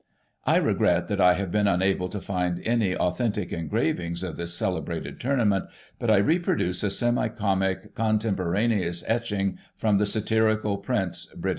I regret that I have been imable to find any authentic engravings of this celebrated tournament, but I reproduce a semi comic contemporaneous etching from the Satirical PriniSy Brit.